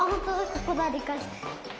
ここだりかしつ。